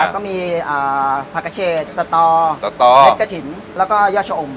ก็มีผักกะเชษสตอแฮกกะถิ่มแล้วก็ยาชอม